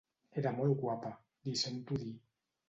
Era molt guapa —li sento dir—.